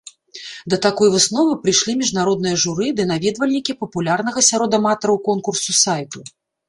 Да такой высновы прыйшлі міжнароднае журы ды наведвальнікі папулярнага сярод аматараў конкурсу сайту.